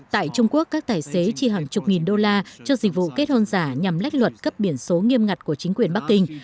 tại trung quốc các tài xế chi hàng chục nghìn đô la cho dịch vụ kết hôn giả nhằm lách luật cấp biển số nghiêm ngặt của chính quyền bắc kinh